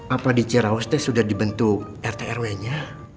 apa di ciraustes sudah dibentuk rt rw nya